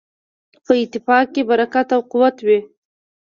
په اتفاق کې برکت او قوت وي.